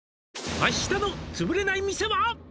「明日の「つぶれない店」は」